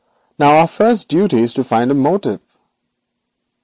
Now our first duty is to find a motive.